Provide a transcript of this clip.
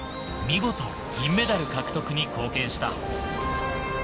見事銀メダル獲得に貢献した。